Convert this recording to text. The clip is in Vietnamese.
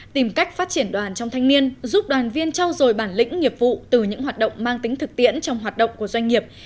tìm cách phát triển đoàn trong thanh niên giúp đoàn viên trao dồi bản lĩnh nghiệp vụ từ những hoạt động mang tính thực tiễn trong hoạt động của doanh nghiệp